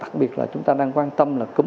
chúng ta đang quan tâm là cúm